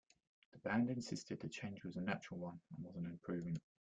The band insisted the change was a natural one and was an improvement.